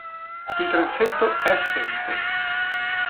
Il transetto è assente.